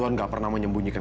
saya tidak menginginkan